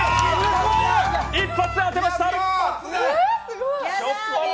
一発で当てました。